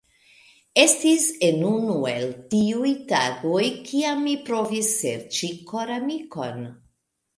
Estis en unu el tiuj tagoj, kiam mi provis serĉi koramikon.